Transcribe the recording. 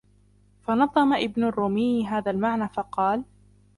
فَنَظَّمَ ابْنُ الرُّومِيِّ هَذَا الْمَعْنَى فَقَالَ